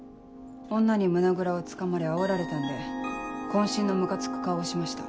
女に胸ぐらをつかまれあおられたんで渾身のムカつく顔をしました。